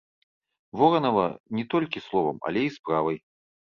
Воранава не толькі словам, але і справай.